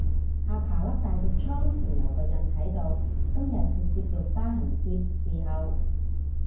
下巴粒大毒瘡仲有個印喺度，今日直接用疤痕貼侍候